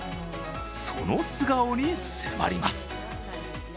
その素顔に迫ります。